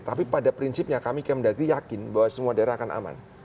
tapi pada prinsipnya kami kemdagri yakin bahwa semua daerah akan aman